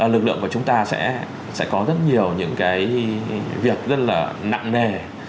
lực lượng của chúng ta sẽ có rất nhiều những cái việc rất là nặng nề